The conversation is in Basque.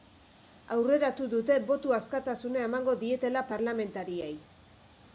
Aurreratu dute botu askatasuna emango dietela parlamentariei.